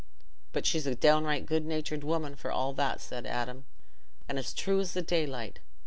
"But she's a downright good natur'd woman, for all that," said Adam, "and as true as the daylight.